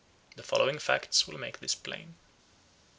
The following facts will make this plain.